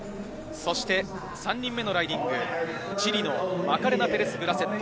そして３人目のライディング、チリのマカレナ・ペレス・グラセット。